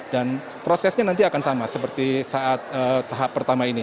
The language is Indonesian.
dan prosesnya nanti akan sama seperti saat tahap pertama ini